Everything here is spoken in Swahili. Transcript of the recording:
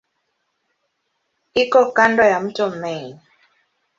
Iko kando ya mto Main.